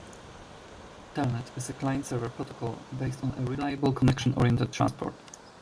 Telnet is a client-server protocol, based on a reliable connection-oriented transport.